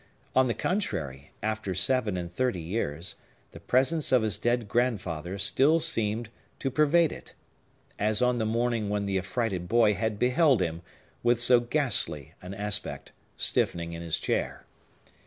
On the contrary, after seven and thirty years, the presence of his dead grandfather seemed still to pervade it, as on that morning when the affrighted boy had beheld him, with so ghastly an aspect, stiffening in his chair.